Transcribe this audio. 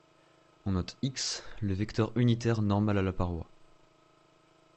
On note x le vecteur unitaire normal à la paroi.